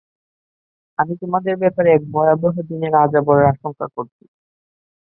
আমি তোমাদের ব্যাপারে এক ভয়াবহ দিনের আযাবের আশংকা করছি।